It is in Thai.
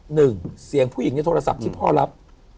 หนึ่งเสียงผู้หญิงในโทรศัพท์ที่พ่อรับ